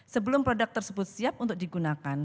sebelum produk tersebut siap untuk digunakan